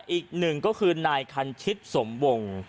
อีกหนึ่งก็คือนายคันชิตสมวง